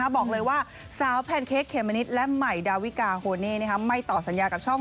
บอกเลยว่าสาวแพนเค้กเมมะนิดและใหม่ดาวิกาโฮเน่ไม่ต่อสัญญากับช่อง